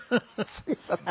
すいません。